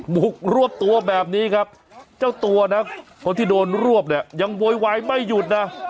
บุกรวบตัวแบบนี้ครับเจ้าตัวนะคนที่โดนรวบเนี่ยยังโวยวายไม่หยุดนะ